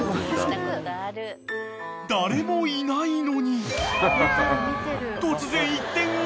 ［誰もいないのに］